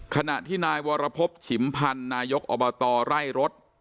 ขณะที่นายวรพบฉิมพันธ์นายกอบตไร่รถ